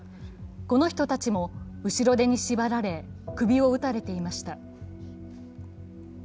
この人たちも後ろ手に縛られ、首を撃たれていました。